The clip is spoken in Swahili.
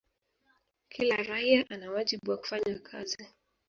kila raia ana wajibu wa kufanya kazi